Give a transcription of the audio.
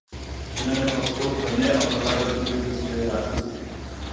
چې نن یې پښتو درنې او د قدر ژبې پسې راخیستې